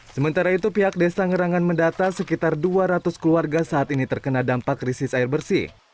sementara itu pihak desa ngerangan mendata sekitar dua ratus keluarga saat ini terkena dampak krisis air bersih